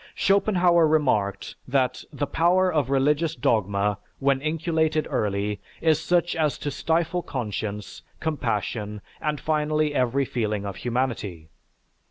Schopenhauer remarked that, "The power of religious dogma when inculcated early is such as to stifle conscience, compassion, and finally every feeling of humanity."